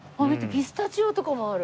ピスタチオとかもある。